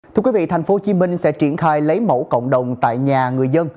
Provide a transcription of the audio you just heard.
thưa quý vị tp hcm sẽ triển khai lấy mẫu cộng đồng tại nhà người dân